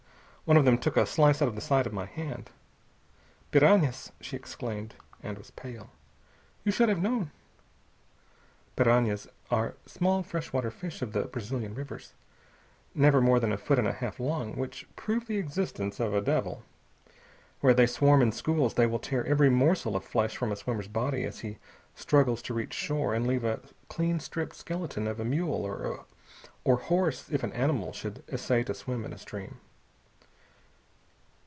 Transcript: One of them took a slice out of the side of my hand." "Piranhas!" she exclaimed, and was pale. "You should have known!" Piranhas are small fresh water fish of the Brazilian rivers, never more than a foot and a half long, which prove the existence of a devil. Where they swarm in schools they will tear every morsel of flesh from a swimmer's body as he struggles to reach shore, and leave a clean stripped skeleton of a mule or horse if an animal should essay to swim a stream.